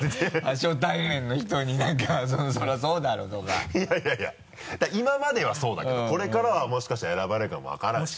初対面の人に何か「それはそうだろ」とか。いやいやだから今まではそうだけどこれからはもしかしたら選ばれるかも分からないし。